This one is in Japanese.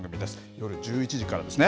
夜１１時からですね。